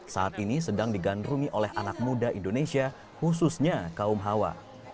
saat ini sedang digandrungi oleh anak muda indonesia khususnya kaum hawa